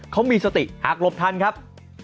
เขามีสติหากหลบทันครับ